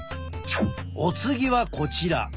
お次はこちら。